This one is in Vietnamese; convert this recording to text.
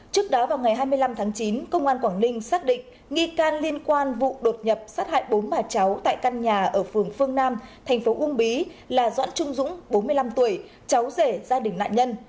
trước đó vào ngày hai mươi năm tháng chín công an quảng ninh xác định nghi can liên quan vụ đột nhập sát hại bốn bà cháu tại căn nhà ở phường phương nam thành phố uông bí là doãn trung dũng bốn mươi năm tuổi cháu rể gia đình nạn nhân